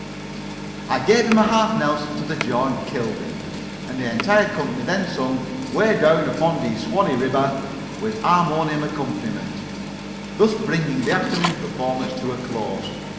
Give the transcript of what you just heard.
I gave him a half nelson to the jaw and killed him, and the entire company then sung "Way down upon de Swannee Ribber," with harmonium accompaniment, thus bringing the afternoon performance to a close.